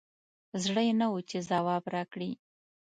زړه یي نه وو چې ځواب راکړي